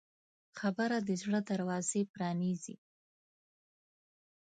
خبرې د زړه دروازه پرانیزي